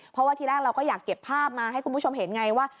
เพราะว่าทีแรกเราก็อยากเก็บภาพมาให้คุณผู้ชมเห็นไงว่า